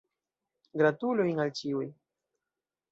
Gratulojn al ĉiuj.